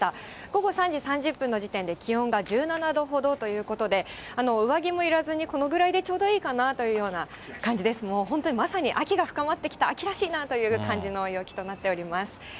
午後３時３０分の時点で気温が１７度ほどということで、上着もいらずにこのぐらいでちょうどいいかなというような感じです、もう本当に秋が深まってきた、秋らしいなという感じの陽気となっております。